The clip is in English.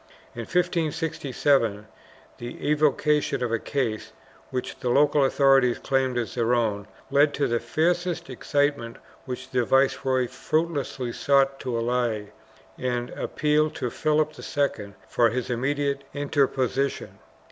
In 1567, the evocation of a case, which the local authorities claimed as their own, led to the fiercest excitement which the viceroy fruitlessly sought to allay and appealed to Philip II for his immediate interposition.